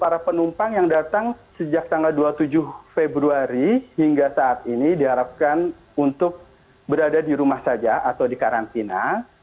para penumpang yang datang sejak tanggal dua puluh tujuh februari hingga saat ini diharapkan untuk berada di rumah saja atau di karantina